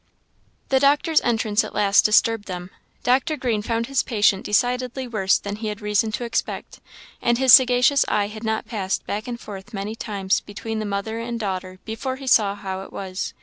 The doctor's entrance at last disturbed them. Dr. Green found his patient decidedly worse than he had reason to expect; and his sagacious eye had not passed back and forth many times between the mother and daughter before he saw how it was.